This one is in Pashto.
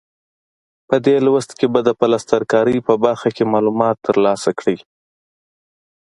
په دې لوست کې به د پلستر کارۍ په برخه کې معلومات ترلاسه کړئ.